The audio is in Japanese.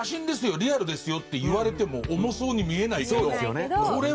リアルですよって言われても重そうに見えないけど。